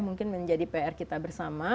mungkin menjadi pr kita bersama